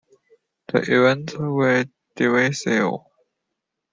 The events were divisive.